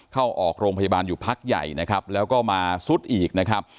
เข้าออกโรงพยาบาลอยู่พักใหญ่นะครับแล้วก็มาซุดอีกนะครับ